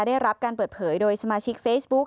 ได้รับการเปิดเผยโดยสมาชิกเฟซบุ๊ค